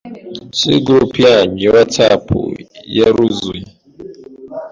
Cgroup yanyu ya whatsapp yaruzuye